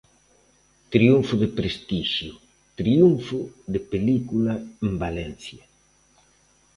Triunfo de prestixio, triunfo de película en Valencia.